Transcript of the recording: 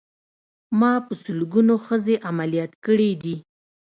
ما په سلګونو ښځې عمليات کړې دي.